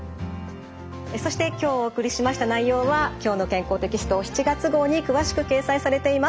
そして今日お送りしました内容は「きょうの健康」テキスト７月号に詳しく掲載されています。